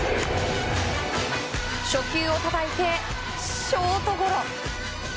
初球を捉えてショートゴロ。